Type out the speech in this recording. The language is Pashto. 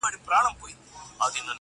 د دې خلګو قریبان دي او دوستان دي,